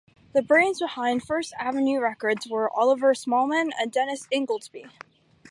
The brains behind First Avenue Records were Oliver Smallman and Denis Ingoldsby.